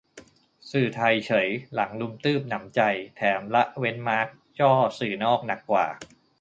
สื่อไทยเฉยหลังรุมตื้บหนำใจ แถมละเว้นมาร์คจ้อสื่อนอกหนักกว่า